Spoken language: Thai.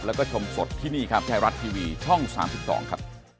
แล้วก็ชมสดที่นี่ครับไทยรัฐทีวีช่อง๓๒ครับ